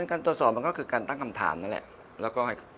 การตรวจสอบมันก็คือการตั้งคำถามนั่นแหละ